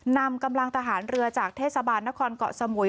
นำกำลังทหารเรือจากเทศบาลนครเกาะสมุย